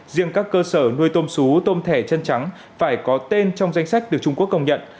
riêng các cơ sở nuôi tôm sú tôm thẻ chân trắng phải có tên trong danh sách được trung quốc công nhận